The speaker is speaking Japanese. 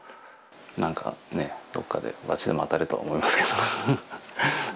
なんかね、どっかでばちでも当たれと思いますけれども。